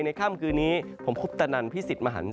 ในข้ามคืนนี้ผมคุปตะนันพี่สิทธิ์มหันธ์